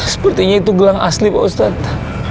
sepertinya itu gelang asli pak ustadz